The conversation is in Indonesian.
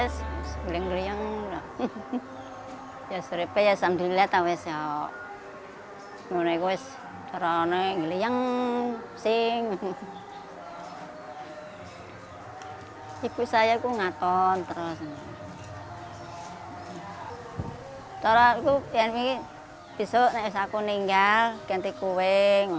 saya berpikir saya akan meninggal saya tidak mau